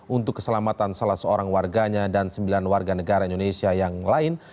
untuk keselamatan salah seorang warganya dan sembilan warga negara indonesia yang lain